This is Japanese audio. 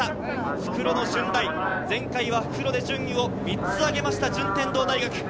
復路の順大、前回は復路で順位を３つ上げました順天堂大学。